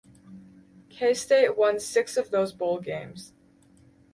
K-State won six of those bowl games.